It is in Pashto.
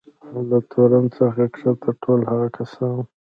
له تورن څخه کښته ټول هغه کسان.